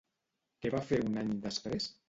Què va fer un any després?